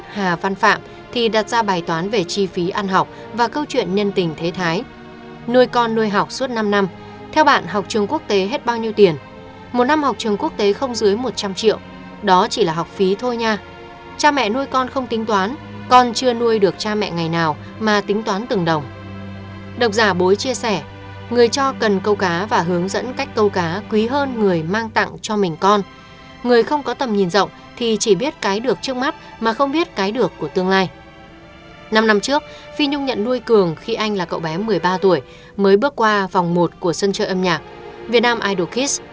hôm năm trước phi nhung nhận nuôi cường khi anh là cậu bé một mươi ba tuổi mới bước qua vòng một của sân chơi âm nhạc việt nam idol kids